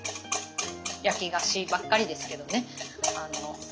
焼き菓子ばっかりですけどね。